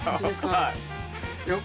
はい。